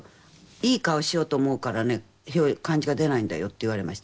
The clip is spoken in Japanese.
「いい顔しようと思うからね感じが出ないんだよ」って言われました。